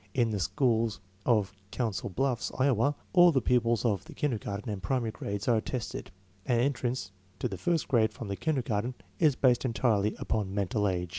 In the schools of Council Bluffs, Iowa, all the pupils of the kindergarten and primary grades are tested, and entrance to the first grade from the kindergarten is based entirely upon mental age.